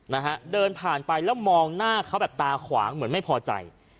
นะฮะเดินผ่านไปแล้วมองหน้าเขาแบบตาขวางเหมือนไม่พอใจ